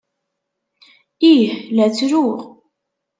Ih, la ttruɣ.